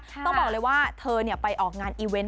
ต้องบอกเลยว่าเธอไปออกงานอีเวนต